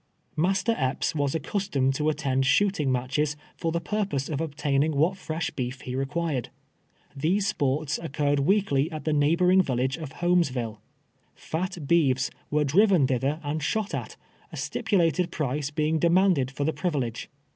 Master E])ps was accustomed to attend shooting matches for the purpose of obtaining what fresh beef he required. These sports occurred weekly at the neighboring village of Ilolmesville. Fat beeves are driven thither and shot at, a stipulated price being demanded for the privilege.